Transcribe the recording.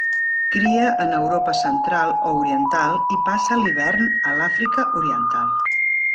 Cria en Europa central o oriental i passa l'hivern a l'Àfrica Oriental.